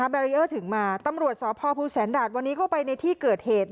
บารีเออร์ถึงมาตำรวจสพศดาสวันนี้ก็ไปในที่เกิดเหตุ